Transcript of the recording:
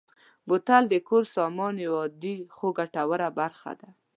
بوتل د کور سامان یوه عادي خو ګټوره برخه ده.